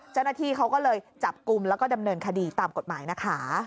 เจ้าหน้าที่เขาก็เลยจับกลุ่มแล้วก็ดำเนินคดีตามกฎหมายนะคะ